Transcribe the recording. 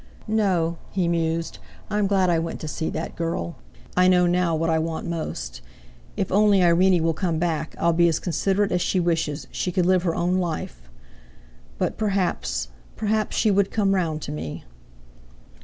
"No," he mused, "I'm glad I went to see that girl. I know now what I want most. If only Irene will come back I'll be as considerate as she wishes; she could live her own life; but perhaps—perhaps she would come round to me."